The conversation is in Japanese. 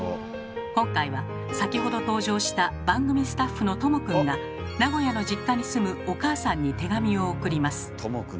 今回は先ほど登場した番組スタッフのとも君が名古屋の実家に住むお母さんに手紙を送ります。